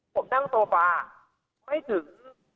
ผมนั่งโซฟาไม่ถึง